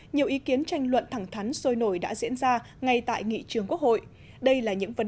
nhiều ý kiến tranh luận thẳng thắn sôi nổi đã diễn ra ngay tại nghị trường quốc hội đây là những vấn